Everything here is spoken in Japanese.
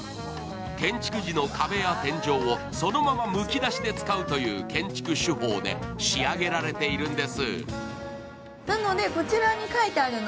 建築時の壁や天井をそのままむき出しで使うという建築手法で仕上げられているんです。